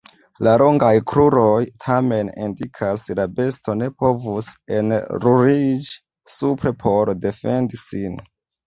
La longaj kruroj, tamen, indikas la besto ne povus enruliĝi supre por defendi sin.